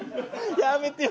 やめてよ